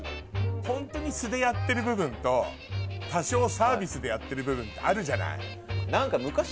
ホントに素でやってる部分と多少サービスでやってる部分ってあるじゃない。